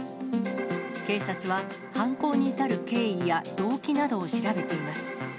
警察は、犯行に至る経緯や動機などを調べています。